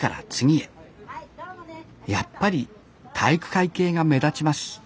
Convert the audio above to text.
やっぱり体育会系が目立ちます